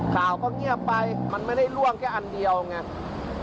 ข่าวก็เงียบไปมันไม่ได้ล่วงแค่อันเดียวไง